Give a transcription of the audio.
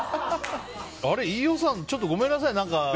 あれ、飯尾さんちょっとごめんなさい。